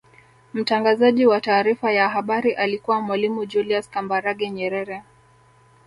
mtangazaji wa taarifa ya habari alikuwa mwalimu julius kambarage nyerere